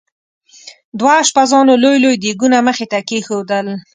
دوه اشپزانو لوی لوی دیګونه مخې ته کېښودل.